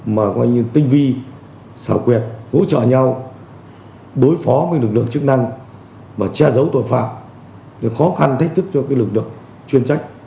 mà tinh vi xảo quyệt hỗ trợ nhau đối phó với lực lượng chức năng và che giấu tội phạm khó khăn thách thức cho lực lượng chuyên trách